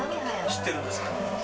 知ってるんですか？